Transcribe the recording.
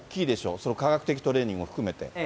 その科学的トレーニングも含めて。